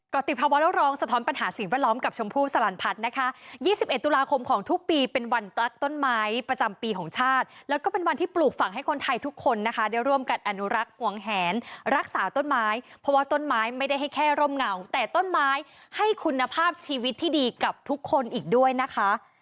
ก็ติดภาวะโรคร้องสะท้อนปัญหาสิ่งแวดล้อมกับชมพู่สลันพัฒน์นะคะ๒๑ตุลาคมของทุกปีเป็นวันต้นไม้ประจำปีของชาติแล้วก็เป็นวันที่ปลูกฝังให้คนไทยทุกคนนะคะได้ร่วมกันอนุรักษ์หวงแหนรักษาต้นไม้เพราะว่าต้นไม้ไม่ได้ให้แค่ร่มเงาแต่ต้นไม้ให้คุณภาพชีวิตที่ดีกับทุกคนอีกด้วยนะคะ